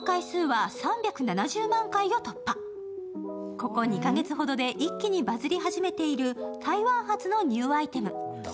ここ２か月ほどで一気にバズり始めている台湾発のニューアイテム。